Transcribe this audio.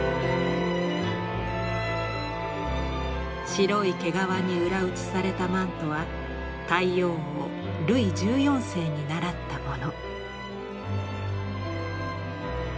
白い毛皮に裏打ちされたマントは太陽王ルイ１４世に倣ったもの。